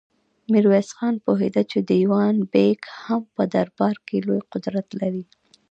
ميرويس خان پوهېده چې دېوان بېګ هم په دربار کې لوی قدرت لري.